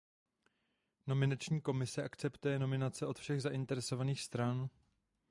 Nominační komise akceptuje nominace od všech zainteresovaných stran.